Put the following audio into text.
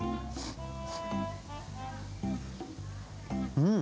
うん！